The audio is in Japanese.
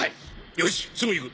よしすぐ行く。